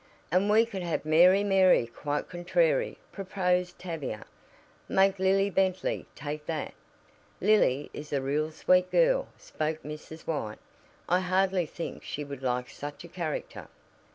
"And we could have 'Mary, Mary, quite contrary,'" proposed Tavia. "Make Lily Bently take that." "Lily is a real sweet girl," spoke Mrs. White. "I hardly think she would like such a character."